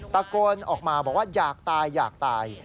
ตะโกนออกมาบอกว่าอยากตายอยากตาย